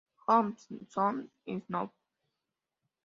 How Soon Is Now?